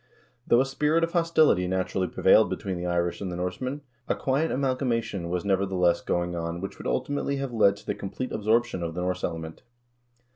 Though a spirit of hostility naturally prevailed between the Irish and the Norsemen, a quiet amalgamation was, nevertheless, going on which would ultimately have led to the complete absorption of the Norse element.